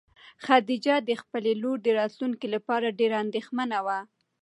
خدیجه د خپلې لور د راتلونکي لپاره ډېره اندېښمنه وه.